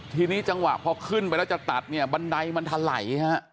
ทีนี้จังหวะพอขึ้นไปแล้วจะตัดเนี่ยบันไดมันถลายฮะ